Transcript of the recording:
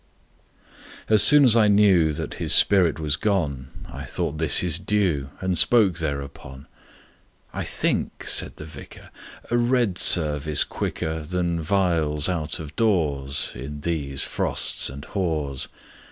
As soon as I knew That his spirit was gone I thought this his due, And spoke thereupon. "I think," said the vicar, "A read service quicker Than viols out of doors In these frosts and hoars.